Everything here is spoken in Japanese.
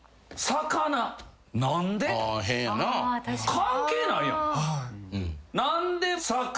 関係ないやん。